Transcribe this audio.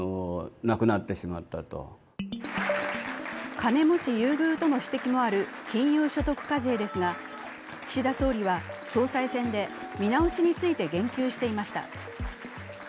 金持ち優遇との指摘もある金融所得課税ですが、岸田総理は総裁選で見直しについて言及していました。